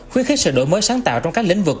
khuyến khích sự đổi mới sáng tạo trong các lĩnh vực